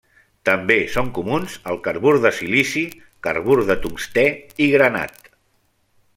També són comuns el carbur de silici, carbur de tungstè i granat.